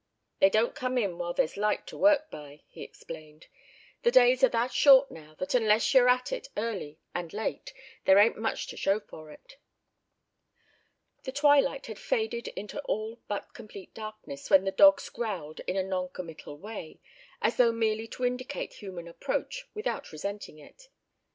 "They don't come in while there's light to work by," he explained; "the days are that short now, that unless you're at it early and late there ain't much to show for it." The twilight had faded into all but complete darkness when the dogs growled in a non committal way, as though merely to indicate human approach without resenting it.